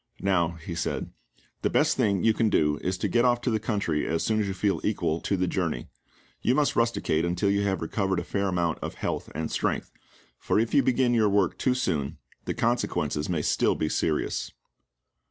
"Now," he said, "the best thing you can go is to get off to the country as soon as you feel equal to the journey. You must rusticate until you have recovered a fair amount of health and strength, for if you begin your work too soon the consequences may still be serious."